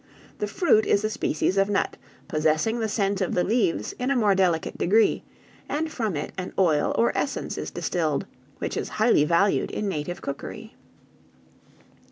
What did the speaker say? The fruit is a species of nut, possessing the scent of the leaves in a more delicate degree, and from it an oil or essence is distilled, which is highly valued in native cookery.